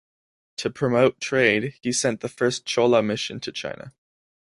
To promote trade, he sent the first Chola mission to China.